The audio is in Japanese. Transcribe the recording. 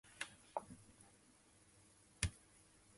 音声データを集めるのは難しい。大層大変なことと聞く。